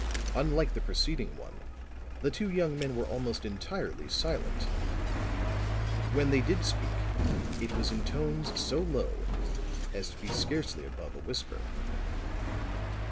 Unlike the preceding one, the two young men were almost entirely silent; when they did speak, it was in tones so low as to be scarcely above a whisper.